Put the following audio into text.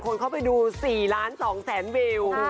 คนเข้าไปดู๔ล้าน๒แสนวิว